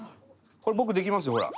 これ僕できますよほら。